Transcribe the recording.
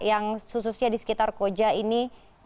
yang khususnya di sekitar koja ini